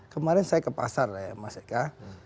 kemarin saya ke pasar mas eka